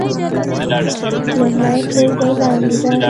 لومړۍ ټولګی لاندې ده